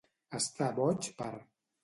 Estar boig per.